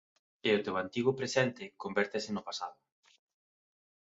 E o teu antigo presente convértese no pasado.